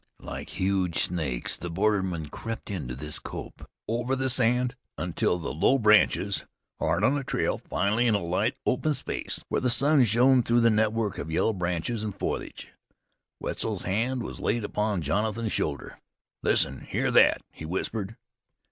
Like huge snakes the bordermen crept into this copse, over the sand, under the low branches, hard on the trail. Finally, in a light, open space, where the sun shone through a network of yellow branches and foliage, Wetzel's hand was laid upon Jonathan's shoulder. "Listen! Hear that!" he whispered.